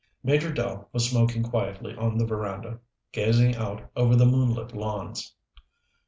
Major Dell was smoking quietly on the veranda, gazing out over the moonlit lawns.